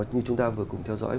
như chúng ta vừa cùng theo dõi